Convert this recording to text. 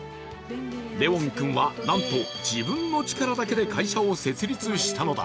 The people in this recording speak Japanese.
レウォン君は、なんと自分の力だけで会社を設立したのだ。